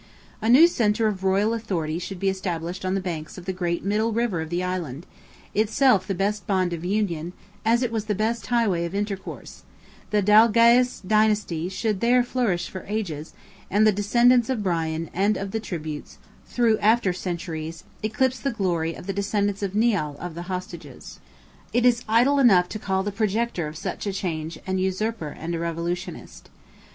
A new centre of royal authority should be established on the banks of the great middle river of the island—itself the best bond of union, as it was the best highway of intercourse; the Dalgais dynasty should there flourish for ages, and the descendants of Brian of the Tributes, through after centuries, eclipse the glory of the descendants of Nial of the Hostages. It is idle enough to call the projector of such a change an usurper and a revolutionist.